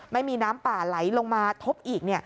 ไม่มีน้ำป่าไหลลงมาทบอีก